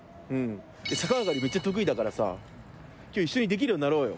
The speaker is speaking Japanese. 逆上がりめっちゃ得意だからさ今日一緒にできるようになろうよ。